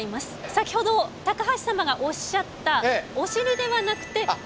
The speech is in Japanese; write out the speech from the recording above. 先ほど高橋様がおっしゃったお尻ではなくておなかから。